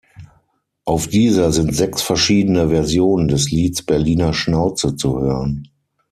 Auf dieser sind sechs verschiedene Versionen des Lieds „Berliner Schnauze“ zu hören.